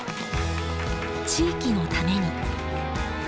地域のために。